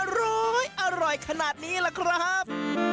ร้อยอร่อยขนาดนี้ล่ะครับ